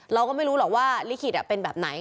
เราก็ไม่รู้หรอกว่าลิขิตเป็นแบบไหน